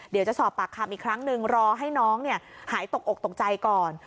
เดี๋ยวจะสอบปากคำอีกครั้งหนึ่งรอให้น้องหายตกอกตกใจก่อน